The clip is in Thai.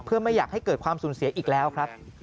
เพื่อไม่อยากให้เกิดความสูญเสียอีกแล้วครับ